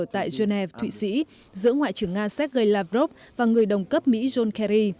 tại geneva thụy sĩ giữa ngoại trưởng nga sergei lavrov và người đồng cấp mỹ john kerry